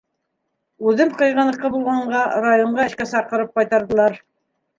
Үҙем Ҡыйғыныҡы булғанға, районға эшкә саҡырып ҡайтарҙылар.